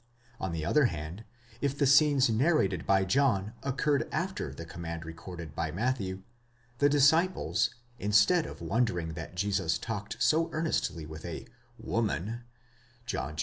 On the other hand, if the scenes narrated by John occurred after the command recorded by Matthew, the disciples, instead of wondering that Jesus talked so earnestly with a zoman (John iv.